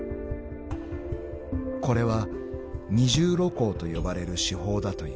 ［これは二重露光と呼ばれる手法だという］